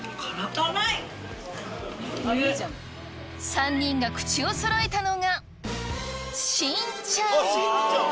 ３人が口をそろえたのが辛ちゃん